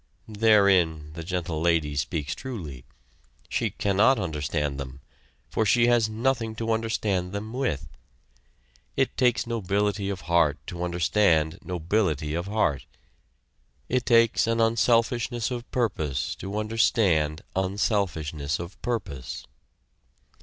Therein the Gentle Lady speaks truly. She cannot understand them, for she has nothing to understand them with. It takes nobility of heart to understand nobility of heart. It takes an unselfishness of purpose to understand unselfishness of purpose.